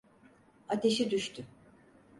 Ateşi düştü.